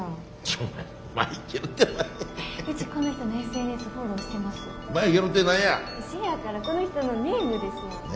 そやからこの人のネームですやん。